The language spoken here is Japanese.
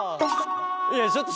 いやいやちょっと。